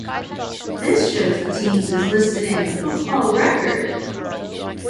This shows the teams as listed in the "The Football Record".